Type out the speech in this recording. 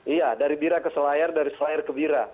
iya dari bira ke selayar dari selayar ke bira